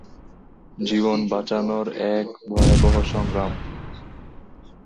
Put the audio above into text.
জীবন বাঁচানোর এক ভয়াবহ সংগ্রাম।